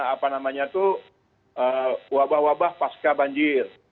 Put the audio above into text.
apa namanya itu wabah wabah pasca banjir